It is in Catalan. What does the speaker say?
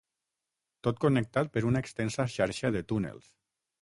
Tot connectat per una extensa xarxa de túnels.